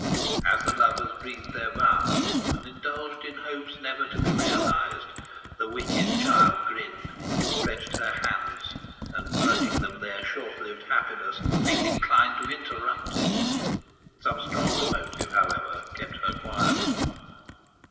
As the lovers breathed their vows, and indulged in hopes never to be realised, the wicked child grinned, clenched her hands, and, grudging them their short lived happiness, seemed inclined to interrupt it. Some stronger motive, however, kept her quiet.